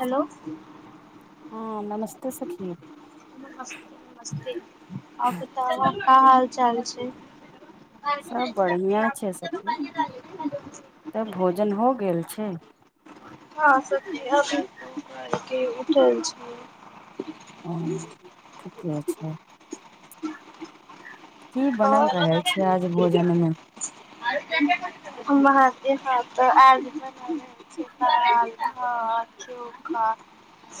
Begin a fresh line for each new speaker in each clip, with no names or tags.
Hello.
ह नमस्ते सखी
नमस्ते नमस्ते आता
जी
कऽ हाल चाल छै।
सभ बढ़िया छै। सभकीज तब भोजन हो गेल छै।
सत अभू करके उठल छी।
[unintelligible] ठीके छै की बनल
और [unintelligible]
रहे छै आज
ज
भोजन मे
ह तऽ आ हा चोखा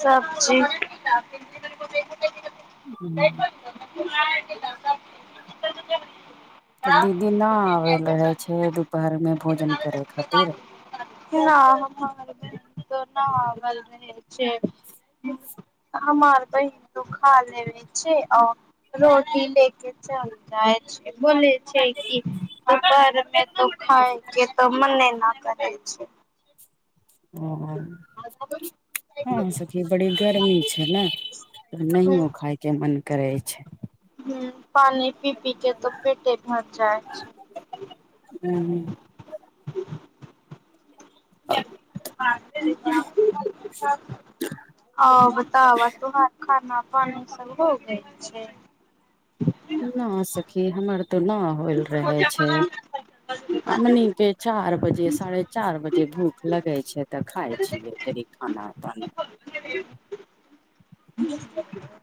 सब्जी [unintelligible] [unintelligible]
तऽ दीदी नहि आब लऽ रहै छै। दुपहरमे भोजन करे खातिर
[unintelligible] हमार बहीन तऽ खा लेने छैय औ रोटी लेके चल [unintelligible] बोले छैय कि [unintelligible] खाय जेतऽ मन्ने न करे छैय।
अ
ह
हँ सखी बड़ी गर्मी छैय ने नहियो खाय के मन करै छैय।
हूं पानि पी पी के त पेटे भर जाइत छैय।
ह
[inaudible] आ बताव तू हर खाना पानि सब हो गेल छैय।
न सखी हमर तऽ न होयल रहै छैय।
[unintelligible]
हमनि के चार बजे साढ़े चार बजे भूख लगे छैय तऽ खाय छियै खाना पानी।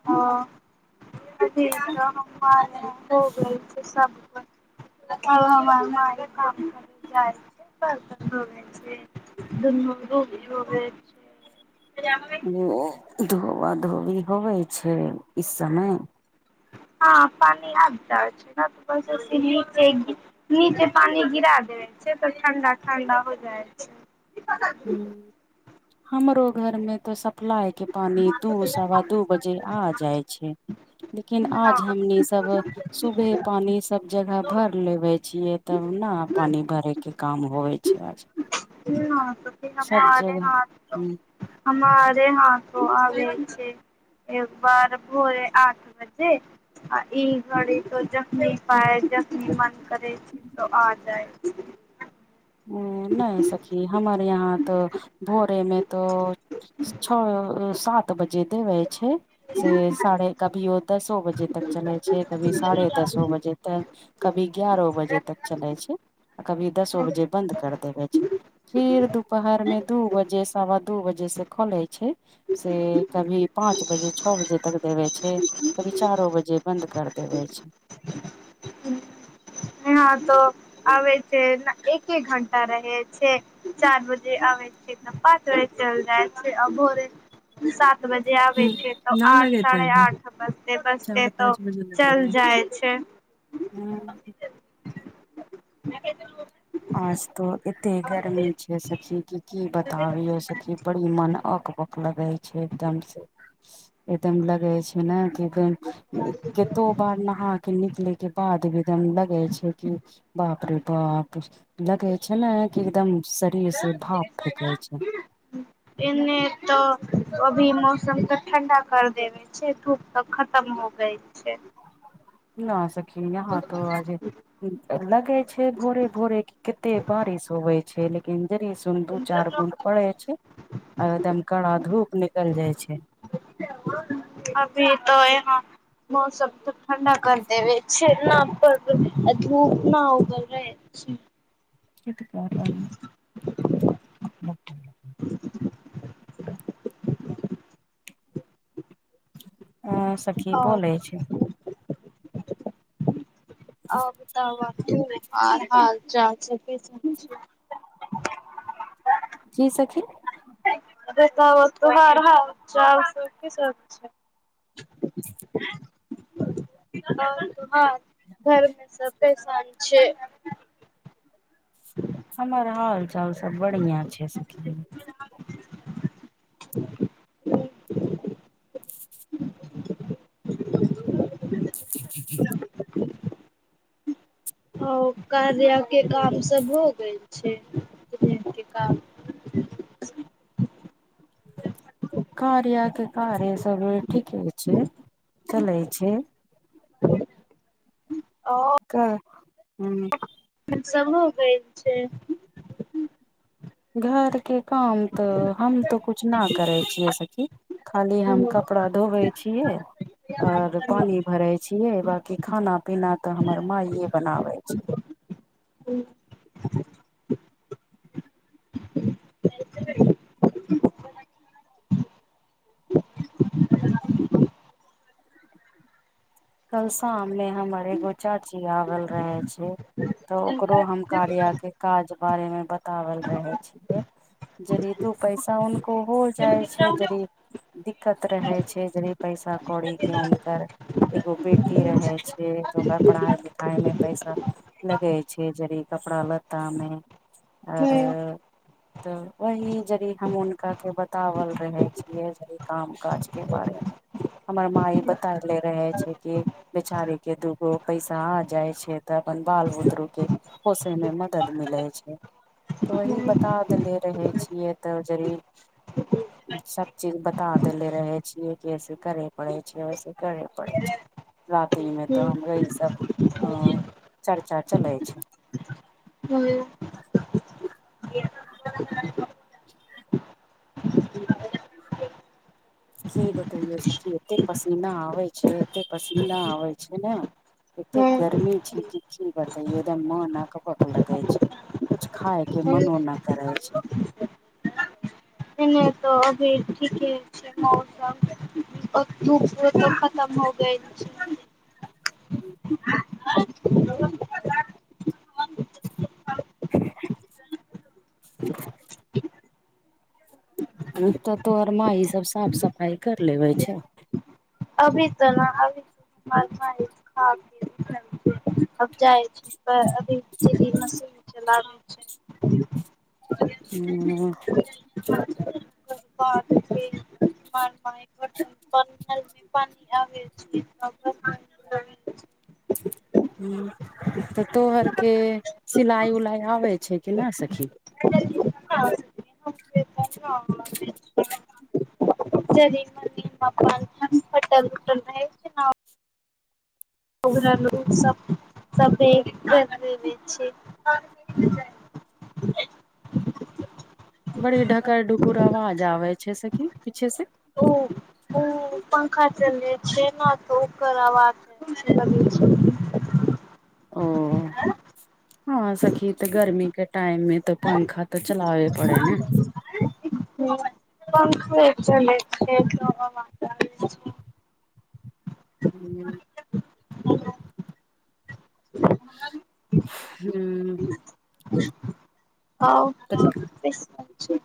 हँ [unintelligible] अब हमर माई काम करे जाइ छैय। [unintelligible]
[unintelligible] धोबा धोबी होबै छैय इ समय।
हँ पानि [unintelligible] नीचे पानि गिरा देबे छैय तऽ ठण्डा ठण्डा हो जाइ छैय।
हूं हमरो घरमें त सब प्लाय के पानी दू सवा दू बजे आ जाय छैय। लेकिन
न
आज हमनी सब सुबहे पानि सब जगह भर लेबे छियै तब न पानि भरेके काम होेय छैय आज। सब जगह ह
[unintelligible] हँमारे हाथों आबे छैय। एक बार भोरे आठ बज्जे आ ई घड़ी त जखनी पाय जखनी मन करे त आ जाए छैय
ओ नय सखी हमर यहाँ तऽ भोरे में त छअ सात बजे देबै छैय से साढ़े कभी ओ दसो बजे तक चलै छैय कभी साढ़े दसो बजे तऽ कभी ग्यारहो बजे
छै
तक चलै छैय आ कभी दसो बजे बन्द कर देबै छैय। फिर दुपहरमें दू बजे सवा दू बजे से खोले छैय। से कभी पाँच बजे छः बजे तक देबे छैय। कभी चारो बजे बन्द कर देबे छैय।
यहां त आबे छैय एक्के घंटा रहे छैय चार बजे आबे [unintelligible] पाॅंच बजे चल जाइ छैय आ भोरे सात [unintelligible] बजे
ह
आबय छिये त
न
आठ
लगेते
साढ़े
अभी
आठ बजते बजते
चार
त
पाँच
चल जाइ छैय।
हूं
[inaudible]
आज त एते गर्मी छैय सखी क की बताबीय सखी बड़ी मन अक बक लगै छै एकदम से एकदम लगे छै न कि बैंक कएतो बार नहा के निकले के बाद भी एक दम लगे छै कि बाप रे बाप लगे छै ने कि एकदम शरीर से भाप फेेकै छै
एने तो अभी मौसम तऽ ठण्डा कर देबै। अचछे धूप तक खतम हो गय। छै
न सकी यहाँ हाथो आज लगे छै। भोरे भोरे क कते बारिश होवे छै। लेकिन िंजरी सु दू चार बूद पड़े छै। आ एकदम कड़ा धूप निकल जाय छै।
अभी त ह हँ मौसम त ठण्डा कर देबै छए ना पड़ आ धूप न उगल रहै [inaudible]
[unintelligible]
[inaudible]
अं सखी
और
बोलै छै
[unintelligible]
की सखी
[unintelligible] [inaudible] हँ घरमे सब परेशान छै।
हमर हाल चाल सब बढ़िआँ छै। सखी
ह
[inaudible]
ओ कअल्या कि के काम सब हो गेल छै। के काम [inaudible]
कार य के कार सब ठीके छै। चले छै।
ओ
क हँ
सबो ग छै।
घरके काम तऽ हम तऽ कुछ न करे छीियै। सखी खाली हम कपड़ा धोबै छियै। आऔर पानी भरे छियै। बाकि खाना पीना तऽ हमर माायइे बनाबे छै।
ह
कल शाम में हमर एगो चाची आवल रहे छै। तऽ ओकरो हम कार्ये काज बारेमे बताबल रहै छियै। जद दू पैसा उनको हो जाइ छै। जद दिक्कत रहै छै। यदि पैसा कौड़ी के हुनकर। एगो बेटी रहै छै। तऽ ओकरा पढ़ाई लिखाई मे पैसा लगै छै। जड़ कपड़ा लत्तामे आरो तऽ वही यदि हम हुनकाके बताओल रहै छियै। य काम काजके बारेमे हमर मा ई बतायले रहे छै। कि बेचारी के दूगो पैसा आ जाइ छै। तऽ अपन बाल बुतरु के पोसे में मदद मिले छै। तऽ वही बता देेले रहै छियै। तऽ जरीब सब चीज बता देेले रहे छियै। कि ऐसे करे पड़े छै। वऐसे करे पड़े छै। राति मे तऽ हमरे सब चर्चा चलै छैय।
[inaudible]
[inaudible] की बतैयो सखी एते पसीना आबै छै। एते पसीना आबै छैय ने एते गर्मी छैय कि की बत तऽ एकदम म नकबक लगे छैय। कुछ खायके मनो नहि करे छैय।
नहि नहि तो अभी ठीके ह मौसम [unintelligible] छैय। [inaudible]
[inaudible] तऽ तोहर माई सब साफ सफाई कर लेबे छैय।
अभी त ना अभी [unintelligible] [unintelligible]
हूं
[unintelligible] [unintelligible]
ह तऽतो हरके सिलइ उलाइ आ
[unintelligible] [unintelligible] मान पटल उटल रह [unintelligible]
[inaudible]
[inaudible]
बड़ी ढकल ढुकुर आवाज आबै छैय सखी पीछे से।
ओ ओ पंखा चल छैय न त ओकर आवाज [unintelligible]
ओ हँ सखी त गर्मीके टाइम मे तऽ पंखा तऽ चलावे पड़े ने।
हूं पंखे चले छैय [unintelligible]
हूँ
ह
हू
आव
तऽ
[unintelligible]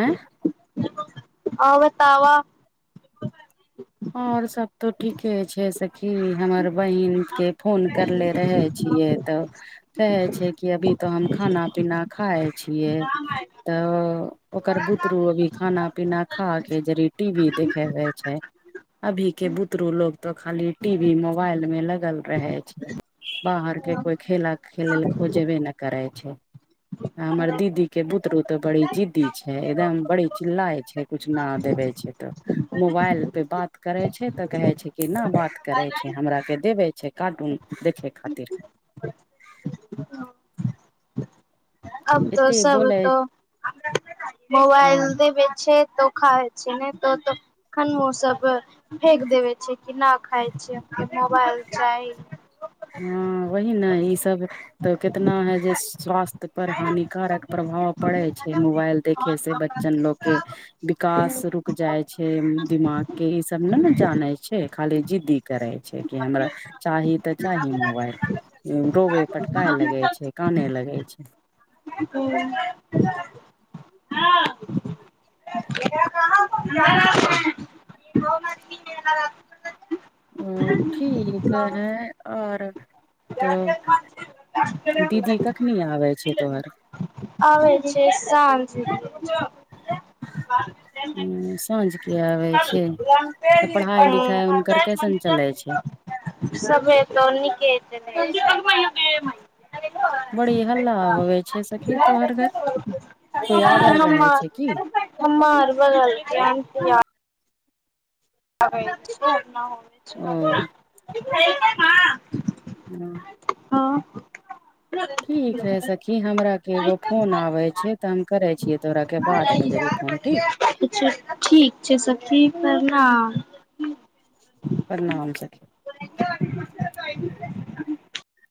आँय
आब ताबा
और सब तो ठीके छैय सखी हमर बहिन के फोन करले रहै। छियै तऽ कहै छैय कि अभी तऽ हम खाना पीना खाइ छियै। तऽ ओकर बुतरु अभी खाना पीना खा के जेड़ टी वी देखेव छैय। अभीके बुतरू लोग तो खाली टी वी मोबाइलमें लगल रहे छैय। बाहरके कोइ खेला खेल ल खोजबे नहि करै छैय। हमर दीदी के बुतरू तो बड़ी जिद्दी छैय एकदम बड़ी चिल्लाय छैय कछ न देबे छैय तऽ मोबाइल पे बात करे छैय तऽ कहे छैय कि न बात करै छैय हमराके देबै छैय कार्टून देखै खातिर
अब तऽ
एते
सब
बोले
तऽ
हँ
मोबाइल देबे छैय। तऽ खाइ छैय ने तऽ खानबो सब फेेक देबे छैय कि नहि खाय मोबाइल चाही।
हँ वही न ई सब तऽ कितना है जे स्वास्त कर हानिकारक प्रभाव पड़ै छै। मोबाइल देखे से बच्चन लोग के। विकास रुक जाइ छै। दिमाग के ई सब न ने जाने छै। खाली जिद्दी करै छै। कि हमरा चाही तऽ चाही मोबाइल डोबे पटकाए लगै छै। काने लगै छै।
ह [unintelligible] ह [unintelligible]
हू [unintelligible]
ह [unintelligible] [unintelligible]
ओ ठीक हैं। आओर तऽ दीदी कखनी आबै छै। तोहर
आबै छै [unintelligible] ब [unintelligible]
उं साँझ के आबे
रामप मन्दर
हुनकर कैसन
[unintelligible]
चलै छै
सब एत नीकेै [unintelligible]
बड़ी हल्ला होेबै छै सखी तो हर घर कोई आवल रहै छै की
हमार बगलके आन्टी आ हो
ओ
छै [unintelligible]
हँ
हँ
ठीक है सखी हमरा के एगो फोन आबै छै। तऽ हम करै छियै। तोहराके बादमे जड़ि फोन ठीक
अचछा ठीक छै। सखी परणाम
प्रणाम सखी
[inaudible]